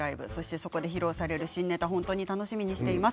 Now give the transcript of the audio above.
そこで披露される新ネタも本当に楽しみにしています。